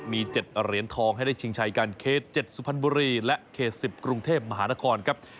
มี๗เหรียญทองให้ได้ชิงชัยกันเขต๗สุพรรณบุรีและเขต๑๐กรุงเทพมหานครครับ